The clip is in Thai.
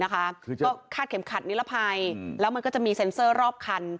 คาดเข็มขันนิลภัยและก็จะมีเซ็นเซอร์รอบคัน